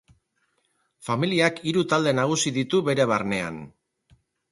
Familiak hiru talde nagusi ditu bere barnean.